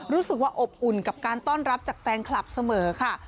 อบอุ่นกับการต้อนรับจากแฟนคลับเสมอค่ะ